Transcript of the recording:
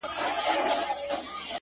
دغه اوږده شپه تر سهاره څنگه تېره كړمه ،